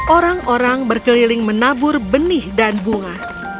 orang orang berkeliling menabur benih dan bunga